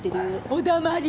お黙り！